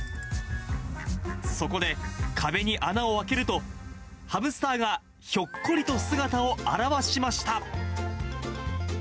そこで、壁に穴を開けると、ハムスターがひょっこりと姿を現しました。